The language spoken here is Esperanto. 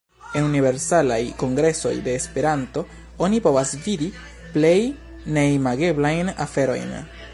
En Universalaj Kongresoj de Esperanto oni povas vidi plej neimageblajn aferojn.